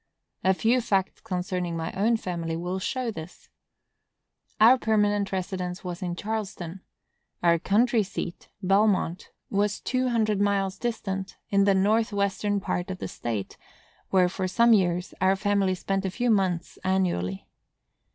A few facts concerning my own family will show this. Our permanent residence was in Charleston; our country seat (Bellemont) was two hundred miles distant, in the north western part of the state, where, for some years, our family spent a few months annually.